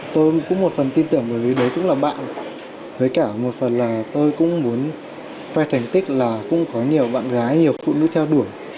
tôi cũng một phần tin tưởng với đối tượng là bạn với cả một phần là tôi cũng muốn khoe thành tích là cũng có nhiều bạn gái nhiều phụ nữ trao đổi